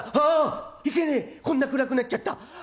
「あいけねえこんな暗くなっちゃった。